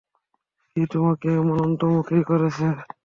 কী তোমাকে এমন অন্তর্মুখী করেছে?